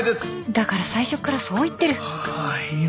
だから最初からそう言ってる！